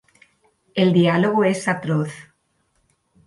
El diálogo es atroz.